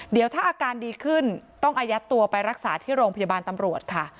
เดี๋ยวถ้าอาการดีขึ้นต้องอายัดตัวไปรักษาที่โรงพยาบาลตำรวจค่ะ